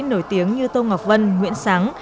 nổi tiếng như tô ngọc vân nguyễn sáng